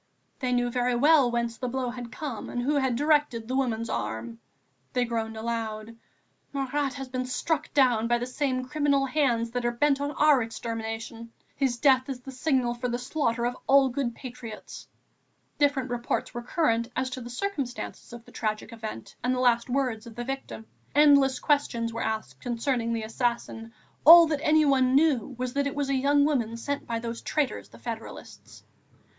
They knew very well whence the blow had come, and who had directed the woman's arm. They groaned aloud: "Marat has been struck down by the same criminal hands that are bent on our extermination. His death is the signal for the slaughter of all good patriots." Different reports were current, as to the circumstances of the tragic event and the last words of the victim; endless questions were asked concerning the assassin, all that anyone knew was that it was a young woman sent by those traitors, the federalists.